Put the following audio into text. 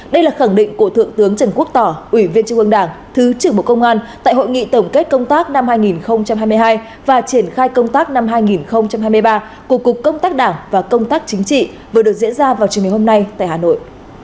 đây là khẳng định của thượng tướng trần quốc tỏ ủy viên trung ương đảng thứ trưởng bộ công an tại hội nghị tổng kết công tác năm hai nghìn hai mươi hai và triển khai công tác năm hai nghìn hai mươi ba của cục công tác đảng và công tác chính trị vừa được diễn ra vào trường ngày hôm nay tại hà nội